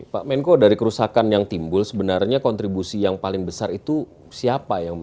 pak menko dari kerusakan yang timbul sebenarnya kontribusi yang paling besar itu siapa